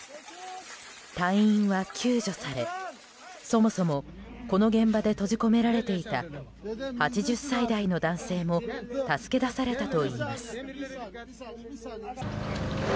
隊員は救助され、そもそもこの現場で閉じ込められていた８０歳代の男性も助け出されたといいます。